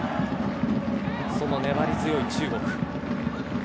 その粘り強い、中国。